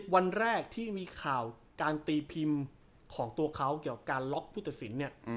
วันแรกที่มีข่าวการตีพิมพ์ของตัวเขาเกี่ยวกับการล็อกผู้ตัดสินเนี่ย